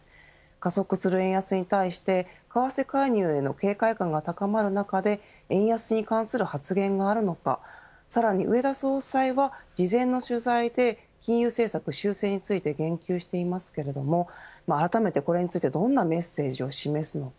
加速する円安に対して為替介入への警戒感が高まる中で円安に関する発言があるのかさらに植田総裁は事前の取材で金融政策修正について言及していますけれどもあらためてこれについてどんなメッセージを示すのか。